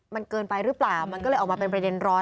มันเกินไปหรือเปล่ามันก็เลยออกมาเป็นประเด็นร้อน